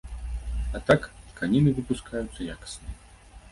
А так, тканіны выпускаюцца якасныя.